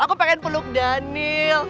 aku pengen peluk daniel